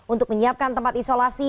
untuk menyiapkan tempat isolasi